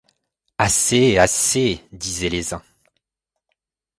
Assez ! assez ! disaient les uns.